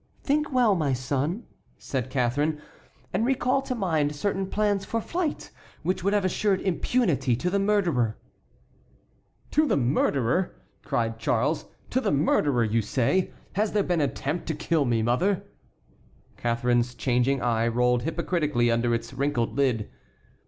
"Think well, my son," said Catharine, "and recall to mind certain plans for flight which would have assured impunity to the murderer." "To the murderer!" cried Charles. "To the murderer, you say? Has there been an attempt to kill me, mother?" Catharine's changing eye rolled hypocritically under its wrinkled lid.